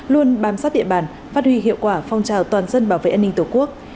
luôn bám sát địa bàn phát huy hiệu quả phong trào toàn dân bảo vệ an ninh tổ quốc